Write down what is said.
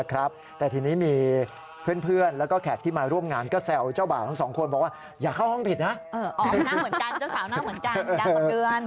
ออกมันไปนั่งเหมือนกันเจ้าสาวเหมือนกันนั่งเหมือนเดือน